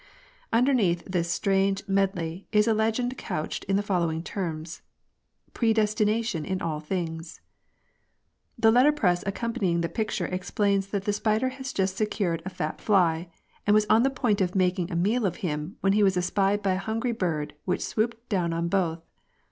Underneath this strange medley is a legend couched in the following terms :—" Predestination in all things !^' The letterpress accompanying the picture explains that the spider had just secured a fat fly, and was on the point of making a meal of him, when he was espied by a hungry bird which swooped down on both.